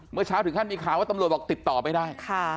เมื่อเช้าถึงขั้นมีข่าวว่าตำรวจบอกติดต่อไม่ได้